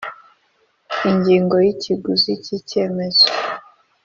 Ingingo ya ikiguzi cy icyemezo